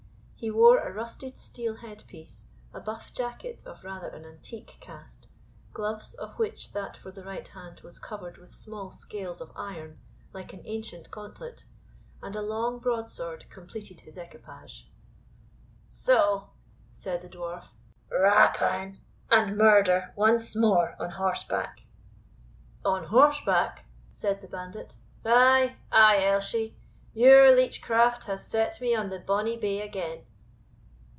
He wore a rusted steel head piece; a buff jacket of rather an antique cast; gloves, of which that for the right hand was covered with small scales of iron, like an ancient gauntlet; and a long broadsword completed his equipage. "So," said the Dwarf, "rapine and murder once more on horseback." "On horseback?" said the bandit; "ay, ay, Elshie, your leech craft has set me on the bonny bay again."